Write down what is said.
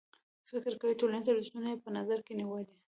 فکر کوي ټولنیز ارزښتونه یې په نظر کې نیولي.